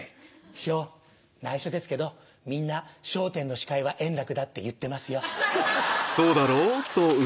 師匠内緒ですけどみんな『笑点』の司会は円楽だって言ってますよ。